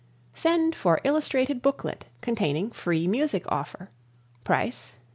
Send for Illustrated Booklet Containing Free Music Offer. Price 25c.